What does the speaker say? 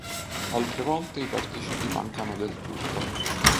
Altre volte i participi mancano del tutto.